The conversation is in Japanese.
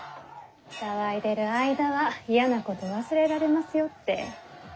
騒いでる間は嫌なこと忘れられますよって。